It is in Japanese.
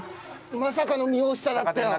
まさかの身を下だったよ。